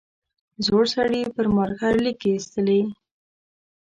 زوړ سړي پر مارکر ليکې ایستلې.